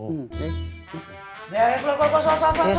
ya ya sholat sholat sholat